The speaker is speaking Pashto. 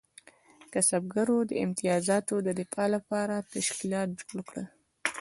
کسبګرو د امتیازاتو د دفاع لپاره تشکیلات جوړ کړل.